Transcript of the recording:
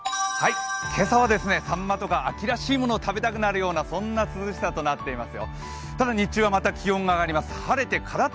今朝はさんまとか秋らしいものを食べたくなるような涼しさとなっています。